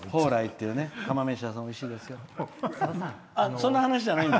そんな話じゃない。